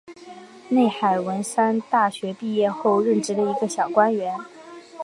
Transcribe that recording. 内海文三大学毕业后任职一个小官员。